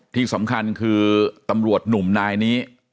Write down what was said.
ที่สำคัญคือตำรวจหนุ่มนายนี้